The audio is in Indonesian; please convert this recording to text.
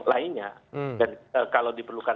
lainnya dan kalau diperlukan